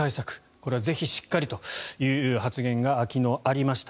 これはぜひしっかりという発言が昨日、ありました。